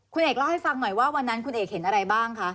คุณเอกเล่าให้ฟังหน่อยว่าวันนั้นคุณเอกเห็นอะไรบ้างคะ